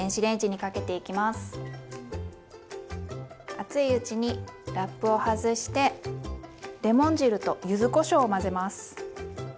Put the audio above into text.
熱いうちにラップを外してレモン汁とゆずこしょうを混ぜます。